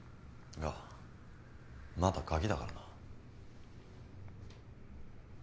がまだがきだからな。